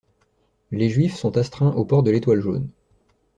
Les Juifs sont astreints au port de l'étoile jaune.